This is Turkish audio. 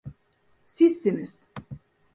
Sizsiniz.